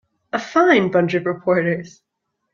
A fine bunch of reporters.